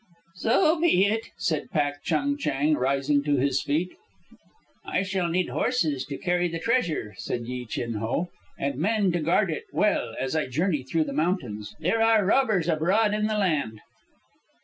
"So be it," said Pak Chung Chang, rising to his feet. "I shall need horses to carry the treasure," said Yi Chin Ho, "and men to guard it well as I journey through the mountains. There are robbers abroad in the land."